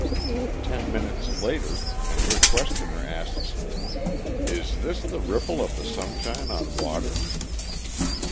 Ten minutes later and her questioner asks, "Is this the ripple of the sunshine on water?"